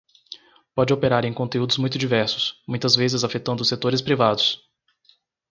Pode operar em conteúdos muito diversos, muitas vezes afetando setores privados.